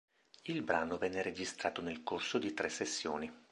Il brano venne registrato nel corso di tre sessioni.